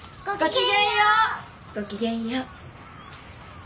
ごきげんよう。